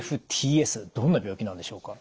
どんな病気なんでしょうか？